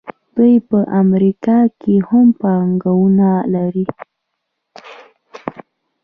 دوی په امریکا کې هم پانګونه لري.